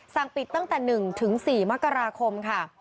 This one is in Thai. สั่งปิดตั้งแต่๑๔มกราคมค่ะ